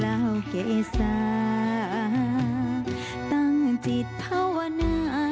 ภาธิบดีองค์ดำแสนสิริจันทราอนาคารเทวาวิสุทธิเทวาปู่เชมีเมตตัญจมหาละโพมิโยนาคา